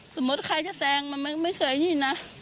สมมุติใครจะแซงมันไม่เคยนี่นะ